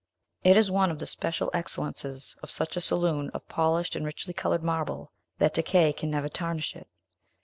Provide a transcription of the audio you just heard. It is one of the special excellences of such a saloon of polished and richly colored marble, that decay can never tarnish it.